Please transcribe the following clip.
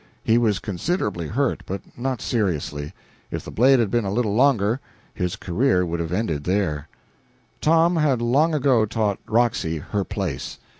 He was considerably hurt, but not seriously. If the blade had been a little longer his career would have ended there. Tom had long ago taught Roxy "her place."